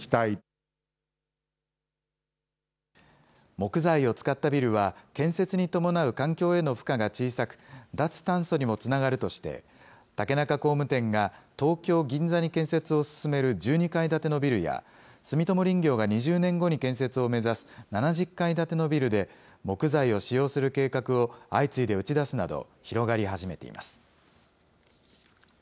木材を使ったビルは、建設に伴う環境への負荷が小さく、脱炭素にもつながるとして、竹中工務店が、東京・銀座に建設を進める１２階建てのビルや、住友林業が２０年後に建設を目指す７０階建てのビルで、木材を使用する計画を相次いで打ち出すなど、広がり始めています。